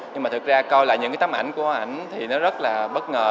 nhưng mà thực ra coi là những cái tấm ảnh của ảnh thì nó rất là bất ngờ